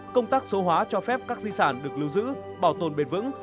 công tác số hóa cho phép các di sản được lưu giữ bảo tồn bền vững